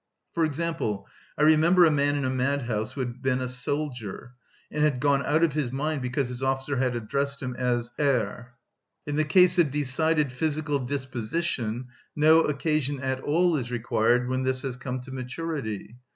For example, I remember a man in a madhouse who had been a soldier, and had gone out of his mind because his officer had addressed him as Er.(16) In the case of decided physical disposition no occasion at all is required when this has come to maturity.